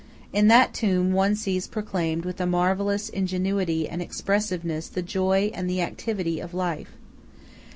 In that tomb one sees proclaimed with a marvellous ingenuity and expressiveness the joy and the activity of life.